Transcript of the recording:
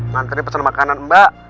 nantinya pesen makanan mbak